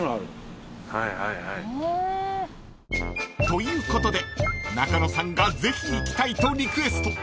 ［ということで中野さんがぜひ行きたいとリクエスト］